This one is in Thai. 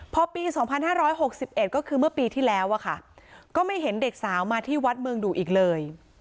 พอปี๒๕๖๑ก็คือเมื่อปีที่แล้วอะค่ะก็ไม่เห็นเด็กสาวมาที่วัดเมืองดูอีกเลย